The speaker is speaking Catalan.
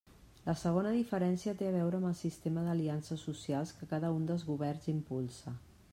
La segona diferència té a veure amb el sistema d'aliances socials que cada un dels governs impulsa.